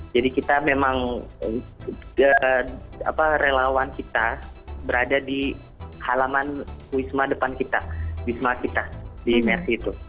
jadi kita memang relawan kita berada di halaman wisma depan kita wisma kita di mersi itu